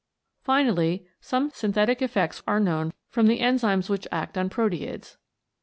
Finally some synthetic effects are known from the enzyme which act on proteids.